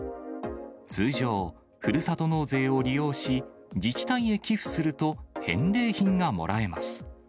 通常、ふるさと納税を利用し、自治体へ寄付すると返礼品がもらえます。